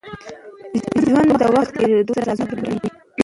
ژوند د وخت په تېرېدو سره رازونه بربنډوي.